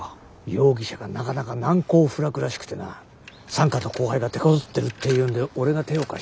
容疑者がなかなか難攻不落らしくてな三課の後輩がてこずってるっていうんで俺が手を貸してやるってわけだ。